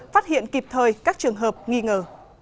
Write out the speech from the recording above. phát hiện kịp thời các trường hợp nghi ngờ